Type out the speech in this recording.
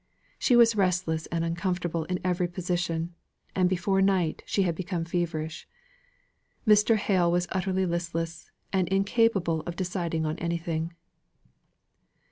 She was restless and uncomfortable in every position, and before night she became very feverish. Mr. Hale was utterly listless, and incapable of deciding on anything.